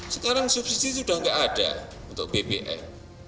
sekarang subsidi sudah tidak ada untuk bbm